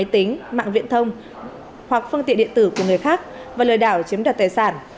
điện thoại mạng viễn thông hoặc phương tiện điện tử của người khác và lừa đảo chiếm đặt tài sản